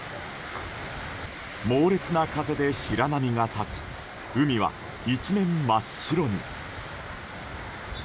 猛烈な風で白波が立ち海は一面真っ白に。